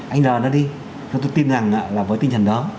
anh đờ nó đi tôi tin rằng là với tinh thần đó